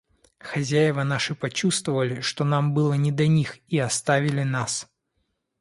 Хозяева наши почувствовали, что нам было не до них, и оставили нас.